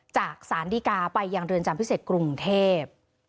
จากศาลดีกาไปยังเรือนจำพิเศษกรุงเทพ